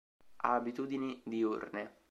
Ha abitudini diurne.